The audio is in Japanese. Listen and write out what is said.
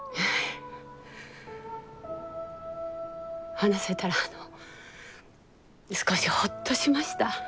話せたらあの少しホッとしました。